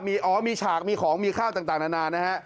มีอ๋อมีฉากมีของมีข้าวต่างนานานะฮะ